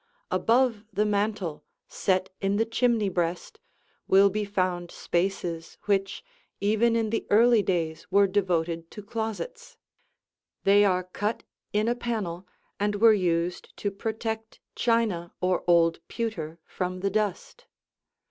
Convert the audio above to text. Above the mantel, set in the chimney breast, will be found spaces which even in the early days were devoted to closets. They are cut in a panel and were used to protect china or old pewter from the dust.